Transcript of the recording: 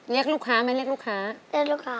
เรียกลูกค้าแม่เรียกลูกค้า